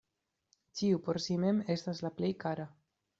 Ĉiu por si mem estas la plej kara.